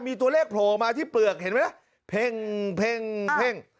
มีตัวเลขโผล่มาที่เปลือกเห็นไหมล่ะเพ่งเพ่ง